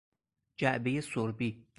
جعبهی سربی